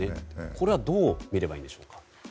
これはどうみればいいんでしょうか。